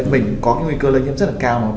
mình có nguy cơ lây nhiễm rất là cao